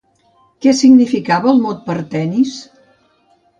Què significava el mot "partenis"?